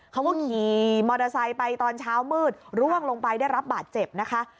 เขาก็ขี่มอเตอร์ไซค์ไปตอนเช้ามืดร่วงลงไปได้รับบาดเจ็บนะคะ